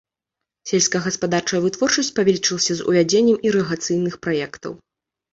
Сельскагаспадарчая вытворчасць павялічылася з увядзеннем ірыгацыйных праектаў.